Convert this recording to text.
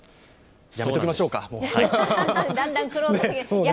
やめておきましょうか。